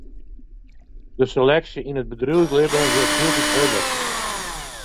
De seleksje yn it bedriuwslibben wurdt hieltyd hurder.